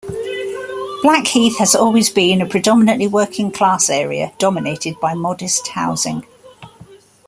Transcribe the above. Blackheath has always been a predominantly working class area dominated by modest housing.